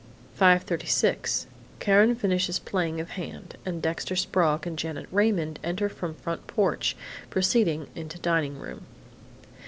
5:36 Karen finishes playing of hand, and Dexter Sprague and Janet Raymond enter from front porch, proceeding into dining room.